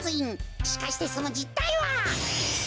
しかしてそのじったいは。